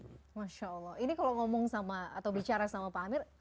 masya allah ini kalau bicara sama pak amir